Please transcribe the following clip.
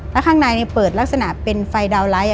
แล้วข้างในเปิดลักษณะเป็นไฟดาวนไลท์